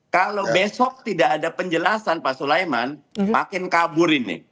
kalau besok tidak ada penjelasan pak sulaiman makin kabur ini